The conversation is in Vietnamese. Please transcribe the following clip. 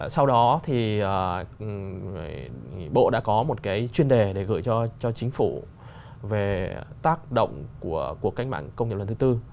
sau đó thì bộ đã có một cái chuyên đề để gửi cho chính phủ về tác động của cuộc cách mạng công nghiệp lần thứ tư